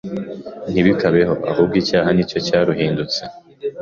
Ntibikabeho! Ahubwo icyaha ni cyo cyaruhindutse,